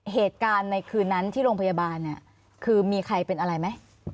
เหตุการณ์ในคืนนั้นที่โรงพยาบาลเนี่ยคือมีใครเป็นอะไรไหม